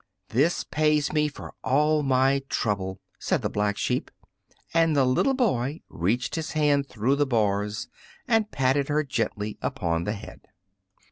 "This pays me for all my trouble," said the Black Sheep, and the little boy reached his hand through the bars and patted her gently upon the head.